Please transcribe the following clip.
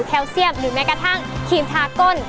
เซียมหรือแม้กระทั่งครีมทาก้น